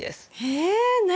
え何？